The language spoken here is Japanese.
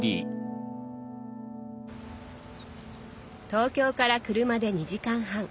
東京から車で２時間半。